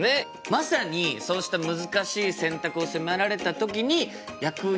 まさにそうした難しい選択を迫られた時に役に立つ。